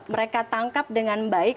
mereka tangkap dengan baik